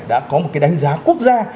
đã có một cái đánh giá quốc gia